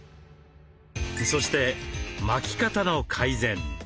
そして巻き肩の改善。